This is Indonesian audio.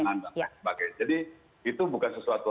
dan sebagainya jadi itu bukan sesuatu